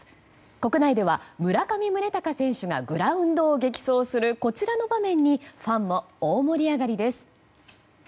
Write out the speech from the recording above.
国内では村上宗隆選手がグラウンドを激走するこちらの場面にファンも大盛り上がりです。